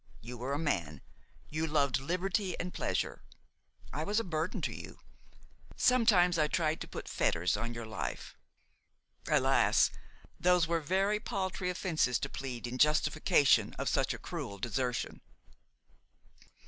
You were a man, you loved liberty and pleasure. I was a burden to you. Sometimes I tried to put fetters on your life. Alas! those were very paltry offences to plead in justification of such a cruel desertion!